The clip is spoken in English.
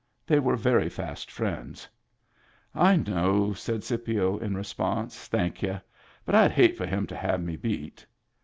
They were very fast friends. "I know," said Scipio in response. "Thank y'u. But I'd hate for him to have me beat."